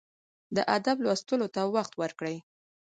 د ادب لوستلو ته وخت ورکړئ.